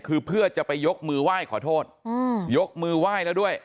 คือเพื่อจะไปยกมือไหว้ขอโทษยกมือไหว้แล้วด้วย